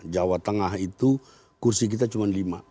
jawa tengah itu kursi kita cuma lima